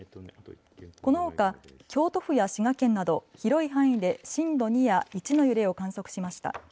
このほか京都府や滋賀県など広い範囲で震度２や１の揺れを観測しました。